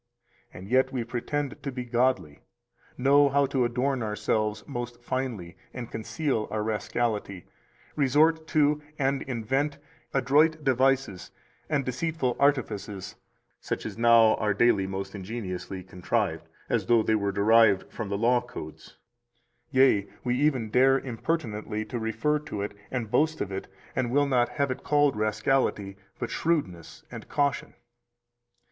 298 And yet we pretend to be godly, know how to adorn ourselves most finely and conceal our rascality, resort to and invent adroit devices and deceitful artifices (such as now are daily most ingeniously contrived) as though they were derived from the law codes; yea, we even dare impertinently to refer to it, and boast of it, and will not have it called rascality, but shrewdness and caution.